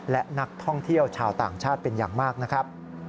และนักท่องเที่ยวชาวต่างชาติเป็นอย่างมากนะครับ